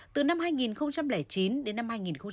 từ năm hai nghìn chín đến năm hai nghìn một mươi